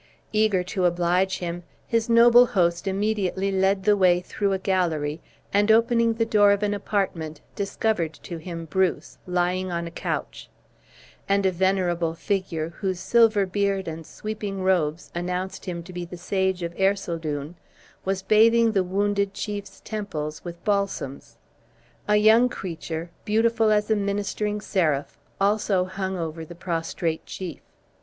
Eager to oblige him, his noble host immediately led the way through a gallery, and opening the door of an apartment, discovered to him Bruce, lying on a couch; and a venerable figure, whose silver beard and sweeping robes, announced him to be the sage of Ercildown, was bathing the wounded chief's temples with balsams. A young creature, beautiful as a ministering seraph, also hung over the prostrate chief.